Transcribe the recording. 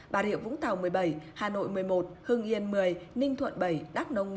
bà rịa vũng tàu một mươi bảy hà nội một mươi một hưng yên một mươi ninh thuận bảy đắk nông